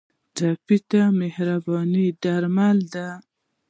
ټپي ته مهرباني درملنه ده.